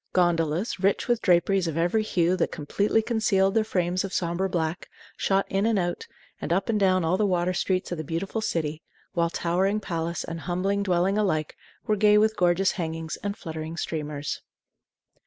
Gondolas, rich with draperies of every hue that completely concealed their frames of sombre black, shot in and out, and up and down all the water streets of the beautiful city; while towering palace and humbler dwelling alike were gay with gorgeous hangings and fluttering streamers.